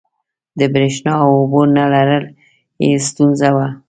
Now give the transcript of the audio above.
د برېښنا او اوبو نه لرل یې ستونزه وه.